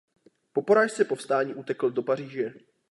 Po porážce povstání utekl do Paříže.